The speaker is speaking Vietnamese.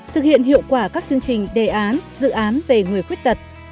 thực hiện hiệu quả các chương trình đề án dự án về người khuyết tật